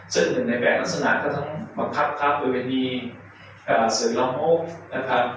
ซึ่งหนึ่งในแบบรักษณะก็ต้องบังคับความเป็นมีสื่อล้อมโอ้บ